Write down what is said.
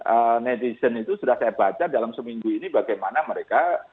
eh netizen itu sudah saya baca dalam seminggu ini bagaimana mereka